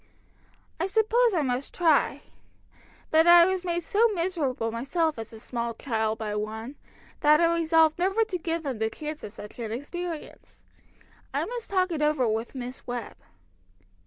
"I suppose I must try. But I was made so miserable myself as a small child by one, that I resolved never to give them the chance of such an experience. I must talk it over with Miss Webb."